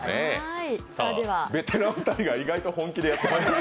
ベテラン２人が意外と本気でやってる。